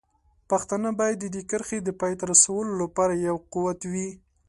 پښتانه باید د دې کرښې د پای ته رسولو لپاره یو قوت وي.